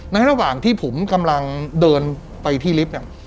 ในระหว่างที่ผมกำลังเดินไปที่ลิฟต์เนี่ย